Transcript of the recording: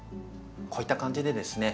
こういった感じでですね